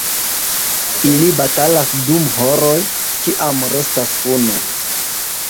Ili batalas dum horoj, kiam restas unu.